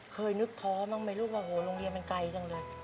เคยนึกท้อบ้างไหมลูกว่าโหโรงเรียนมันไกลจังเลย